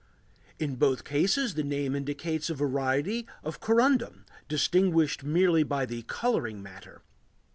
In both cases the name indicates a variety of corundum, distinguished merely by the coloring matter.